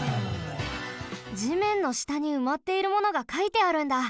地面のしたにうまっているものがかいてあるんだ。